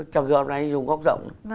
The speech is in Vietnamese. chẳng dù hôm nay dùng góc rộng